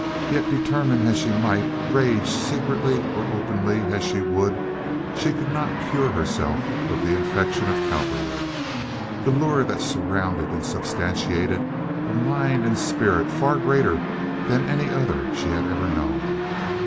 Yet, determine as she might, rage secretly or openly as she would, she could not cure herself of the infection of Cowperwood, the lure that surrounded and substantiated a mind and spirit far greater than any other she had ever known.